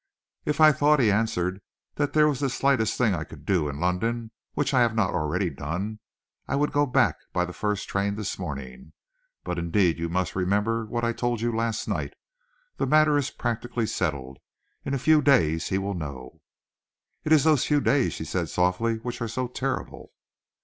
"If I thought," he answered, "that there was the slightest thing I could do in London which I have not already done, I would go back by the first train this morning, but, indeed, you must remember what I told you last night. The matter is practically settled. In a few days he will know." "It is those few days," she said softly, "which are so terrible."